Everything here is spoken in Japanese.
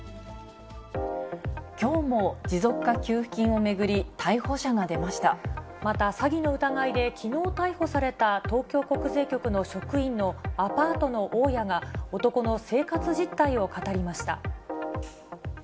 きょうも持続化給付金を巡り、また詐欺の疑いで、きのう逮捕された東京国税局の職員のアパートの大家が、男の生活実態を語りました。